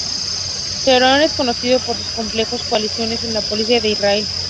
Sharon es conocido por sus complejas coaliciones en la política de Israel.